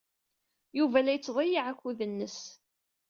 Yuba la yettḍeyyiɛ akud-nnes.